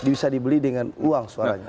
bisa dibeli dengan uang suaranya